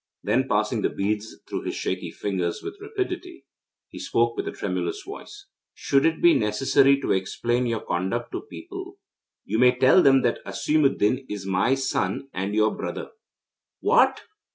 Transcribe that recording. Then, passing the beads through his shaky fingers with rapidity, he spoke with a tremulous voice: 'Should it be necessary to explain your conduct to people, you may tell them that Asimuddin is my son and your brother.' 'What?'